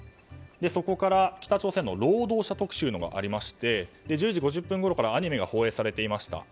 そこから北朝鮮の労働者特集がありまして１０時５０分ごろからアニメが放映されていました。